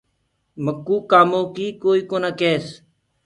مڪوُ ڪآمو ڪيٚ ڪوئي ڪونآ ڪيس۔